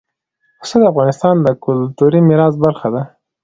پسه د افغانستان د کلتوري میراث برخه ده.